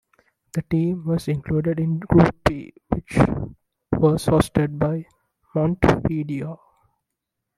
The team was included in Group B, which was hosted by Montevideo.